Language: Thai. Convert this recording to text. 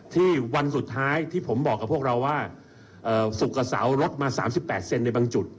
วันสุดท้ายที่ผมบอกกับพวกเราว่าสุขกับเสาลดมา๓๘เซนในบางจุด